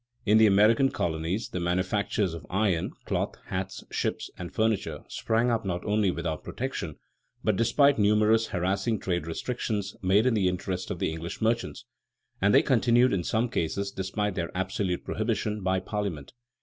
In the American colonies the manufactures of iron, cloth, hats, ships, and furniture sprang up not only without "protection," but despite numerous harassing trade restrictions made in the interest of the English merchants; and they continued in some cases despite their absolute prohibition by Parliament.